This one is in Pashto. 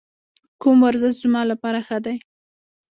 کوم ورزش زما لپاره ښه دی؟